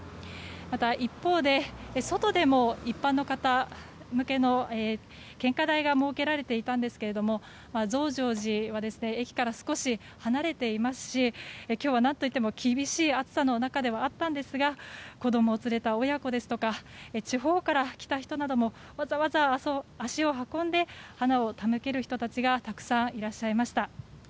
また一方で外でも一般の方向けの献花台が設けられていたんですけども増上寺は、駅から少し離れていますし今日は何といっても厳しい暑さの中ではあったんですが子供を連れた親子ですとか地方から来た人などもわざわざ足を運んで花を手向ける人たちがたくさんいらっしゃいました。